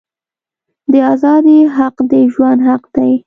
د آزادی حق د ژوند حق دی.